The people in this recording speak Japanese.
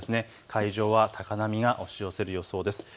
海上は高波が押し寄せる予想です。